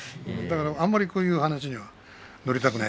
あまりこういう話には乗りたくない。